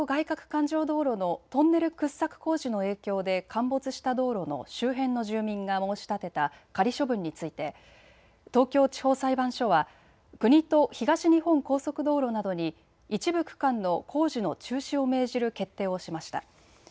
かく環状道路のトンネル掘削工事の影響で陥没した道路の周辺の住民が申し立てた仮処分について東京地方裁判所は国と東日本高速道路などに一部区間の工事の中止を命じる決定をしました。